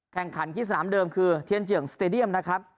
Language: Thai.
แข่งขันที่สนามเดิมคือเทียนเจื่องสตาเดียม